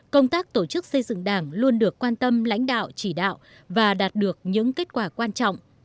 công tác tổ chức xây dựng đảng luôn được quan tâm lãnh đạo chỉ đạo và đạt được những kết quả quan trọng